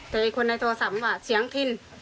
แต่อีกคนในโทรศัพท์ว่าเสียงทิน